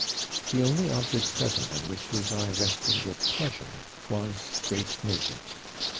The only object present on which his eye rested with pleasure was Grace Nugent.